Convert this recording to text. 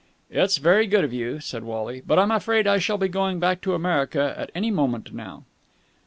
"It's very good of you," said Wally, "but I'm afraid I shall be going back to America at any moment now."